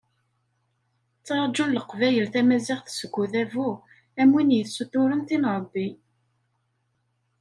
Ttrajun Leqbayel tamaziɣt seg Udabu am wid yessuturen tin n Rebbi.